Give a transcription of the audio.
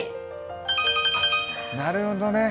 なるほどね。